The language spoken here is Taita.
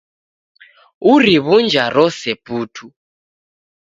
Uriw'unja rose putu